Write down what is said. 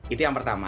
itu yang pertama